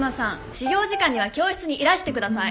始業時間には教室にいらしてください。